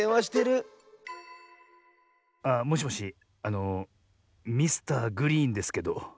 あもしもしあのミスターグリーンですけど。